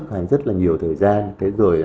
hay rất là nhiều thời gian thế rồi